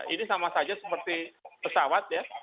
ini sama saja seperti pesawat ya